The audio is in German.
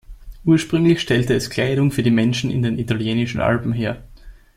Ursprünglich stellte es Kleidung für die Menschen in den italienischen Alpen her.